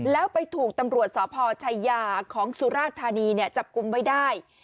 แล้วไปถูกตำรวจสพชายาของสุราธานีจับกุมไว้ได้